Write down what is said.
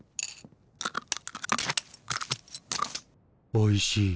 おいしい。